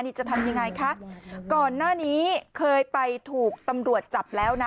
นี่จะทำยังไงคะก่อนหน้านี้เคยไปถูกตำรวจจับแล้วนะ